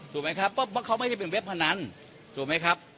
ถูกไหมครับเพราะเขาไม่ได้เป็นเว็บพนันถูกไหมครับ